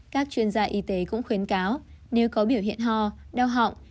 các chuyên gia y tế cũng khuyến cáo nếu có biểu hiện ho đau họng